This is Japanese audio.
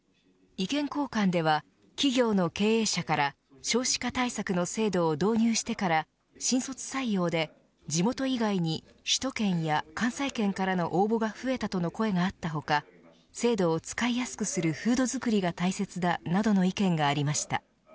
意見交換では企業の経営者から少子化対策の制度を導入してから新卒採用で地元以外に首都圏や関西圏からの応募が増えたとの声があった他制度を使いやすくする風土づくりが大切だなどの意見がありました。